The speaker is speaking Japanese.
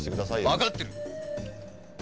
わかってる！